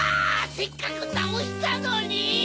せっかくなおしたのに！